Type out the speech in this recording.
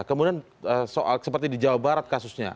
kemudian soal seperti di jawa barat kasusnya